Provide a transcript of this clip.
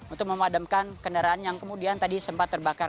untuk memadamkan kendaraan yang kemudian tadi sempat terbakar